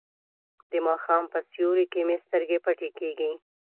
د ماښام په سیوري کې مې سترګې پټې کیږي.